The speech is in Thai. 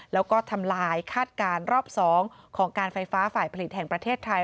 แล้วก็ทำลายคาดการณ์รอบ๒ของการไฟฟ้าฝ่ายผลิตแห่งประเทศไทย